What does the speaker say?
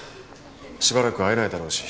しばらく会えないだろうし。